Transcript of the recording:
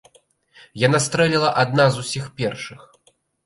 Яна стрэліла адна з усіх першых.